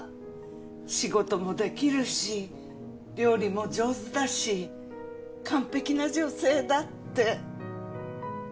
仕事もできるし料理も上手だし完璧な女性だって。